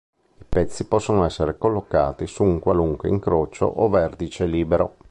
I pezzi possono essere collocati su un qualunque incrocio o vertice libero.